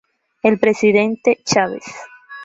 El presidente Chaves.